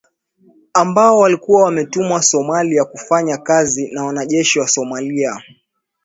Ambao walikuwa wametumwa Somalia kufanya kazi na wanajeshi wa Somalia.